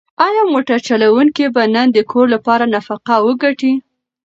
ایا موټر چلونکی به نن د کور لپاره نفقه وګټي؟